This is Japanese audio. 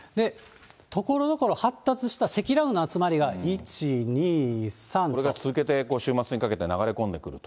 ところどころ、発達した積乱雲の集まりが、１、２、これが続けて週末にかけて流れ込んでくると。